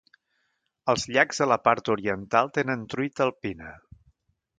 Els llacs a la part oriental tenen truita alpina.